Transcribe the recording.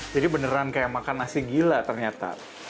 jadi beneran kayak makan nasi gila ternyata